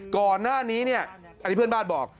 ก่อนหน้านี้เนี่ยอันนี้เพื่อนบ้านบอก